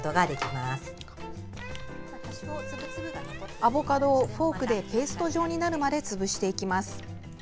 アボカドをフォークでペースト状になるまで潰していきます。